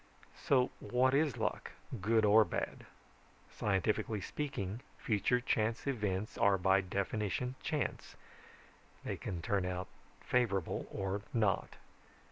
"So what is luck, good or bad? Scientifically speaking, future chance events are by definition chance. They can turn out favorable or not.